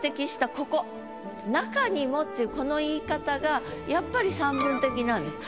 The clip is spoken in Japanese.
ここ「中にも」っていうこの言い方がやっぱり散文的なんです。